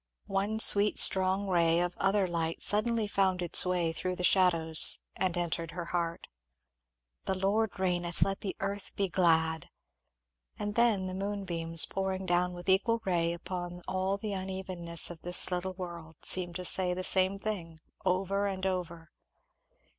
One sweet strong ray of other light suddenly found its way through the shadows and entered her heart. "The Lord reigneth! let the earth be glad!" and then the moonbeams pouring down with equal ray upon all the unevennesses of this little world seemed to say the same thing over and over.